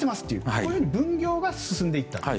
こういうふうな分業が進んでいったと。